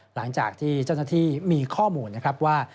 หลังจากที่เจ้าหน้าที่มีข้อมูลนะครับว่า